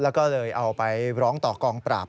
แล้วก็เลยเอาไปร้องต่อกองปราบ